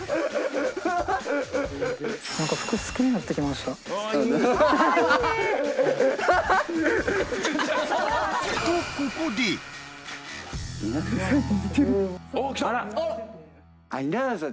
何か服好きになってきましたおおきた！